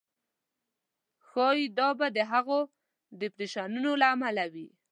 ښایي دا به د هغو ډېپریشنونو له امله وي.